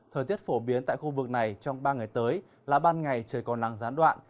thời tiết phổ biến tại khu vực này trong ba ngày tới là ban ngày trời còn nắng gián đoạn